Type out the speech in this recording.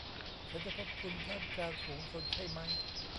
ฉันจะพบคุณท่ามกลางฝูงชนใช่มั้ย